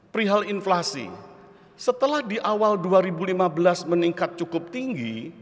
perihal inflasi setelah di awal dua ribu lima belas meningkat cukup tinggi